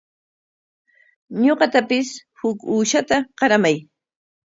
Ñuqatapis huk uushata qaramay.